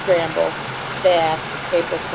BRAMBLE BATH, April 28.